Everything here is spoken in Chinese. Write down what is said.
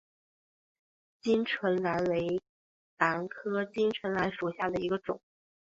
巾唇兰为兰科巾唇兰属下的一个种。